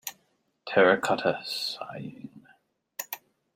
Terracotta sighing.